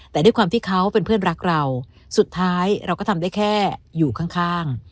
แต่ด้วยความที่เขาเป็นเพื่อนรักเราสุดท้ายเราก็ทำได้แค่อยู่ข้าง